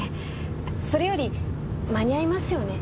それより間に合いますよね？